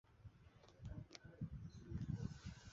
之后记得发讯息